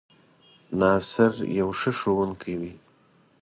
ناصر يو ښۀ ښوونکی دی